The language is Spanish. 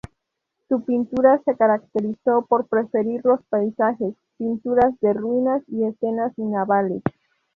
Su pintura se caracterizó por preferir los paisajes, pinturas de ruinas y escenas navales.